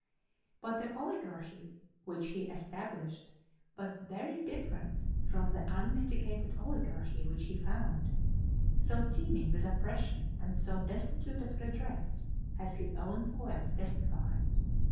But the oligarchy which he established was very different from the unmitigated oligarchy which he found, so teeming with oppression and so destitute of redress, as his own poems testify.